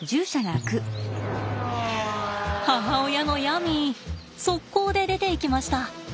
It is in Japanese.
母親のヤミー速攻で出ていきました！